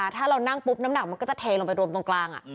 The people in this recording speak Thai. ถ้าเรานั่งปุ๊บน้ำหนักมันก็จะเทลงไปรวมตรงกลาง